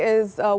hari ini adalah